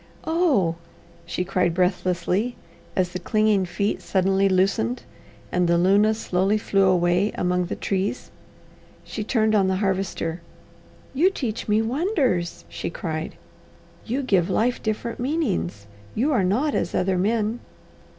"Oh!" she cried breathlessly, as the clinging feet suddenly loosened and the luna slowly flew away among the trees. She turned on the Harvester. "You teach me wonders!" she cried. "You give life different meanings. You are not as other men."